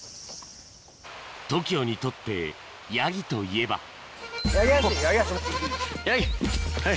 ＴＯＫＩＯにとってヤギといえば八木橋はいはい。